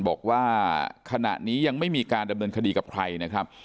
บอกว่าขณะนี้ยังไม่มีการดำเนินคดีกับใครนะครับ